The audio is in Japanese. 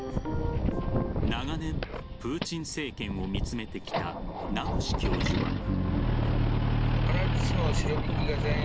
長年プーチン政権を見つめてきた名越教授は。